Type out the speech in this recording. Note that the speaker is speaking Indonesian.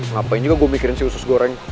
ngapain juga gue mikirin sih usus goreng